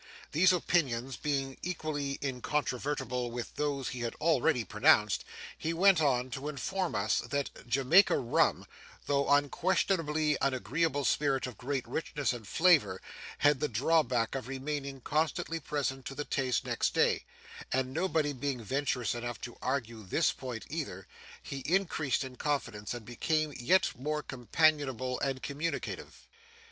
These opinions being equally incontrovertible with those he had already pronounced, he went on to inform us that Jamaica rum, though unquestionably an agreeable spirit of great richness and flavour, had the drawback of remaining constantly present to the taste next day; and nobody being venturous enough to argue this point either, he increased in confidence and became yet more companionable and communicative.